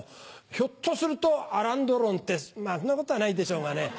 ひょっとするとアラン・ドロンってまぁそんなことはないでしょうがね。